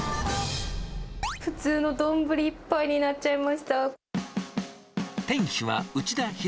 普通の丼１杯になっちゃいました。